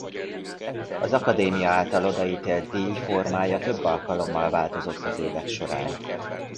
Az Akadémia által odaítélt díj formája több alkalommal változott az évek során.